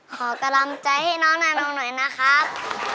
ขอกรรมใจให้น้องนายมากหน่อยนะครับ